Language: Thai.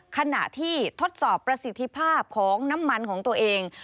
ขณะที่ทดสอบประสิทธิภาพของน้ำมันของตัวเอง